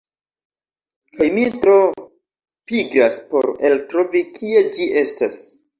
Kaj mi tro pigras por eltrovi kie ĝi estas.